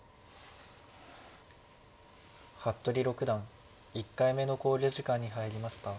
服部六段１回目の考慮時間に入りました。